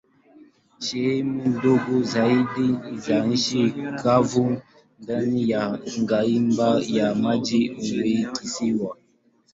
Sehemu ndogo zaidi za nchi kavu ndani ya magimba ya maji huitwa kisiwa.